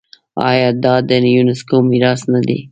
آیا دا د یونیسکو میراث نه دی؟